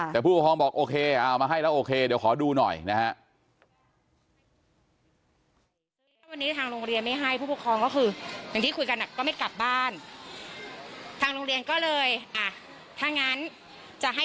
แต่ผู้ปกครองบอกโอเคเอามาให้แล้วโอเคเดี๋ยวขอดูหน่อยนะฮะ